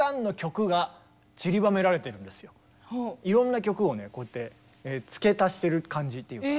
いろんな曲をねこうやって付け足してる感じっていうか。